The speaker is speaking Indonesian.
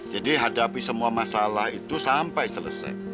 jadi hadapi semua masalah itu sampai selesai